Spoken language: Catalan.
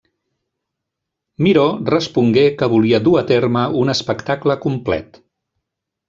Miró respongué que volia dur a terme un espectacle complet.